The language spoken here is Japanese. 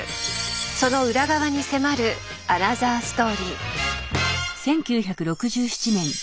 その裏側に迫るアナザーストーリー。